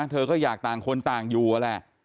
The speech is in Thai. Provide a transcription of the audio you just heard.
เธอก็อยากต่างคนต่างอยู่นั่นแหละ